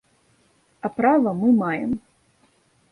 А права мы маем.